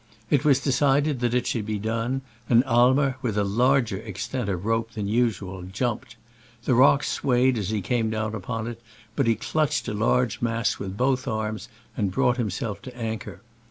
It was decided that it should be done, and Ai mer, with a larger extent of rope than, usual, jumped : the rock swayed as he came down upon it, but he clutched a large mass with both arms and brought himself to anchor.